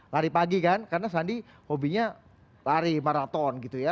lari pagi kan karena sandi hobinya lari maraton gitu ya